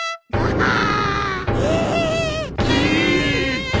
ああ。